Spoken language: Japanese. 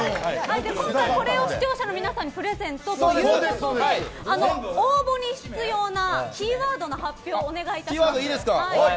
今回これを視聴者の皆さんにプレゼントということで応募に必要なキーワードの発表をお願いします。